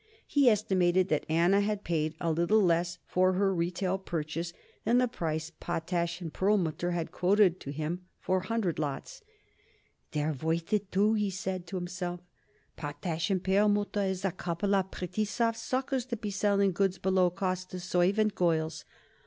He estimated that Anna had paid a little less for her retail purchase than the price Potash & Perlmutter had quoted to him for hundred lots. "They're worth it, too," he said to himself. "Potash & Perlmutter is a couple of pretty soft suckers, to be selling goods below cost to servant girls.